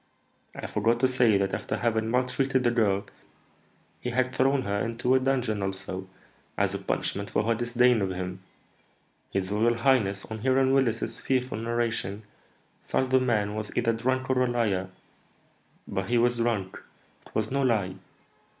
I forgot to say that, after having maltreated the girl, he had thrown her into a dungeon also, as a punishment for her disdain of him. His royal highness, on hearing Willis's fearful narration, thought the man was either drunk or a liar; but he was drunk, it was no lie.